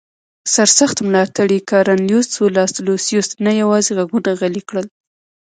سرسخت ملاتړي کارنلیوس سولا لوسیوس نه یوازې غږونه غلي کړل